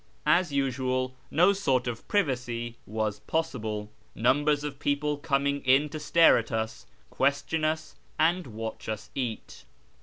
As usual, no sort of privacy was possible, numbers of people coming in to stare at us, question us, and watch us eat.